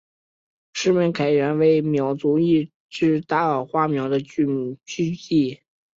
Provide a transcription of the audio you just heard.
石门坎原为苗族一支大花苗的聚居地。